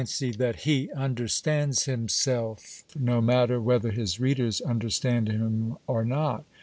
y that he understands himself, no matter whether his readers un .m or not.